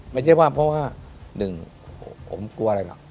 ไม่ใช่ว่าเพราะว่าหนึ่งผมกลัวอะไรหรอก